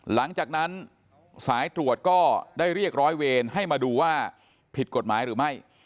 หลังจากนั้นสายตรวจก็ได้เรียกร้อยเวรให้มาดูว่าผิดกฎหมายหรือไม่